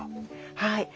はい。